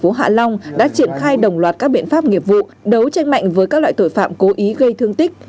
hôm qua công an tp hạ long đã triển khai đồng loạt các biện pháp nghiệp vụ đấu tranh mạnh với các loại tội phạm cố ý gây thương tích